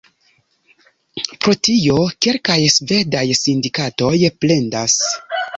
Pro tio, kelkaj svedaj sindikatoj plendas.